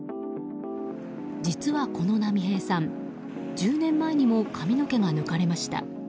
実はこの波平さん、１０年前にも髪の毛が抜かれました。